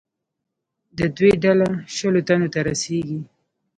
د دوی ډله شلو تنو ته رسېږي.